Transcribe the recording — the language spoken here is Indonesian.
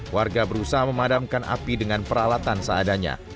warga berusaha memadamkan api dengan peralatan seadanya